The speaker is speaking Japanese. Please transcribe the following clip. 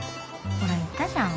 ほら言ったじゃん。